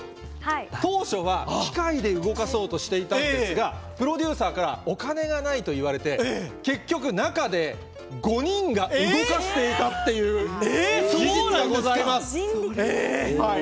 当初は機械で動かそうとしていたんですがプロデューサーからお金がないといわれて結局、中で５人が動かしていたっていう技術がございます。